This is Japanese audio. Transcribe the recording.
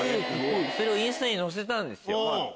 それをインスタに載せたんですよ。